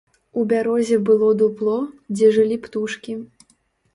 У бярозе было дупло, дзе жылі птушкі.